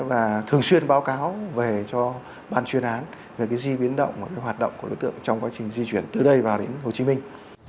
và thường xuyên báo cáo về cho ban chuyên án về cái di biến động và hoạt động của đối tượng trong quá trình di chuyển từ đây vào đến hồ chí minh